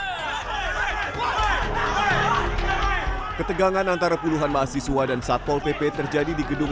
hai hai hai hai hai ketegangan antara puluhan mahasiswa dan satpol pp terjadi di gedung